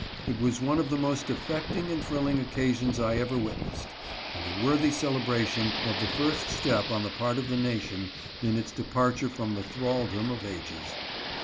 It was one of the most affecting and thrill ing occasions I ever witnessed, and a worthy celebration of the first step on the part of the nation in its departure from the thraldom of ages.